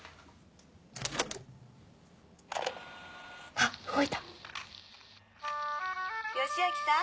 あっ動いた！良明さん